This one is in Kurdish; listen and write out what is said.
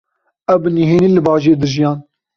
Ew bi nihênî li bajêr dijiyan.